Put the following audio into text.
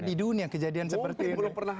di dunia kejadian seperti ini belum pernah